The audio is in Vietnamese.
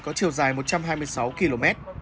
có chiều dài một trăm hai mươi sáu km